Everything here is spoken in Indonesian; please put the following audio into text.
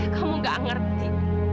kamu gak ngerti